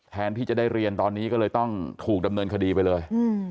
แทนที่จะได้เรียนตอนนี้ก็เลยต้องถูกดำเนินคดีไปเลย